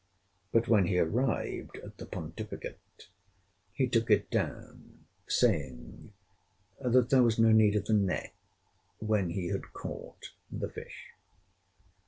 But, when he arrived at the pontificate, he took it down, saying, that there was no need of the net, when he had caught the fish.